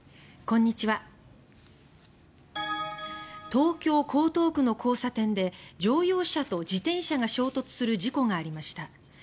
東京・江東区の交差点で乗用車と自転車が衝突する事故がありました。